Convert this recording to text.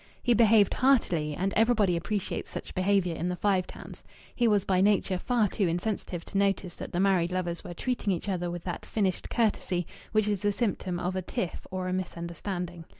He behaved "heartily," and everybody appreciates such behaviour in the Five Towns. He was by nature far too insensitive to notice that the married lovers were treating each other with that finished courtesy which is the symptom of a tiff or of a misunderstanding.